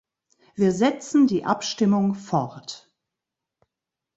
Wir setzen die Abstimmung fort.